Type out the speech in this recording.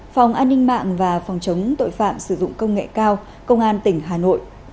phòng an ninh mạng và phòng chống tội phạm sử dụng công nghệ cao công an tỉnh hà nội